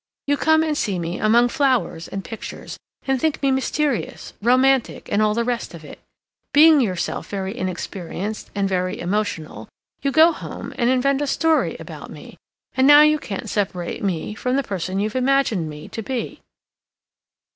"You come and see me among flowers and pictures, and think me mysterious, romantic, and all the rest of it. Being yourself very inexperienced and very emotional, you go home and invent a story about me, and now you can't separate me from the person you've imagined me to be.